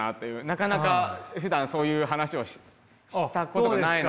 なかなかふだんそういう話をしたことがないので。